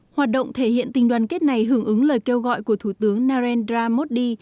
hoạt động thể hiện tình đoàn kết này hưởng ứng lời kêu gọi của thủ tướng narendra modi